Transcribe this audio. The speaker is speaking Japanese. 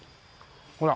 ほら。